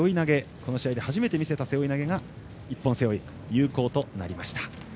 この試合で初めて見せた背負い投げが、一本背負い有効となりました。